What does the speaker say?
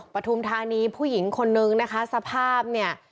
ปฐุมธานีผู้หญิงคนนึงนะคะสภาพเนี่ย